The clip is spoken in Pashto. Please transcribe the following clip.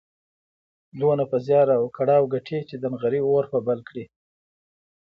دومره په زيار او کړاو ګټي چې د نغري اور پرې بل کړي.